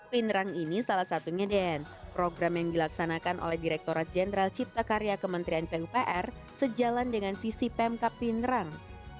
pinerang ini salah satunya den program yang dilaksanakan oleh direkturat jenderal cipta karya kementerian pupr sejalan dengan visi pemkap pinerang